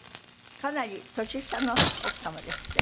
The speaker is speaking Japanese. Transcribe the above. かなり年下の奥様ですって？